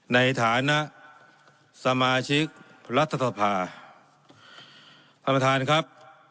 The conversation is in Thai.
ในฐานะสมาชิกรัฐสภาท่านประธานครับ